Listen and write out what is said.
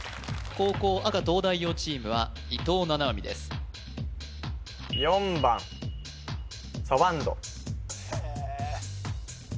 後攻赤東大王チームは伊藤七海ですへえ